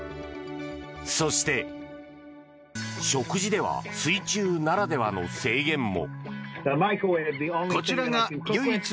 そして食事では水中ならではの制限も。